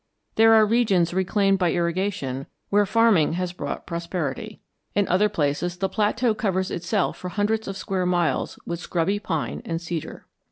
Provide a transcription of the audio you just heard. There are regions reclaimed by irrigation where farming has brought prosperity. In other places the plateau covers itself for hundreds of square miles with scrubby pine and cedar.